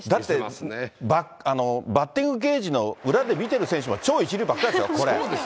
バッティングゲージの裏で見てる選手も、超一流ばっかりですよ、これ。